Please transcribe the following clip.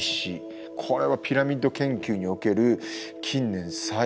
これはピラミッド研究における近年最大の発見です。